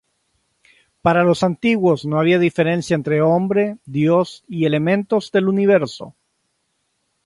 Para los antiguos no había diferencia entre hombre, dios y elementos del Universo.